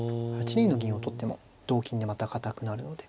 ８二の銀を取っても同金でまた堅くなるので。